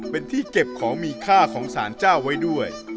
เป็นที่เก็บของมีค่าของสารเจ้าไว้ด้วย